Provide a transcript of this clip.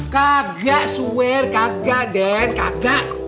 kagak swear kagak den kagak